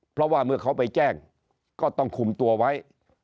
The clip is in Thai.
เพราะว่าเมื่อเขาไปแจ้งก็ต้องคุมตัวไว้